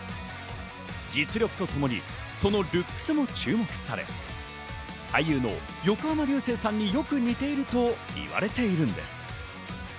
実力とともに、そのルックスも注目され、俳優の横浜流星さんによく似ていると言われているんです。